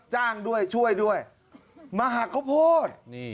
จ้างด้วยช่วยด้วยมาหักข้าวโพด